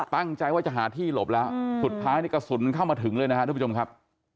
ตั้งใจว่าจะหาที่หลบแล้วสุดท้ายนี่กระสุนมันเข้ามาถึงเลยนะครับทุกผู้ชมครับ